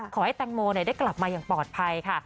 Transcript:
ขอให้แตงโมได้กลับมาอย่างปลอดภัยค่ะ